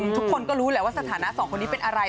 ทุกคนก็รู้แหละว่าสถานะสองคนนี้เป็นอะไร